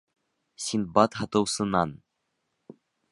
Синдбад һатыусынан: